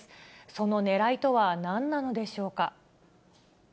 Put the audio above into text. そのねらいとはなんなのでしょうか。